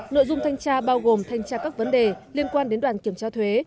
nội dung thanh tra bao gồm thanh tra các vấn đề liên quan đến đoàn kiểm tra thuế